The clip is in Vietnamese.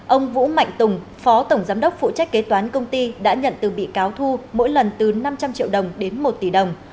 ông vũ mạnh tùng phó tổng giám đốc phụ trách kế toán công ty đã nhận từ bị cáo thu mỗi lần từ năm trăm linh triệu đồng đến một tỷ đồng